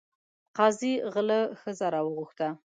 قاضي غله ښځه راوغوښته.